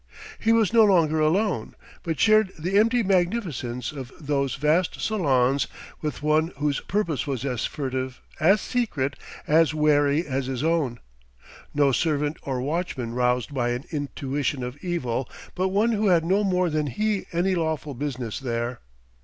He was no longer alone, but shared the empty magnificence of those vast salons with one whose purpose was as furtive, as secret, as wary as his own; no servant or watchman roused by an intuition of evil, but one who had no more than he any lawful business there.